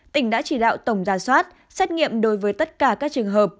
tỉnh đã chỉ đạo tổng gia soát xét nghiệm đối với tất cả các trường hợp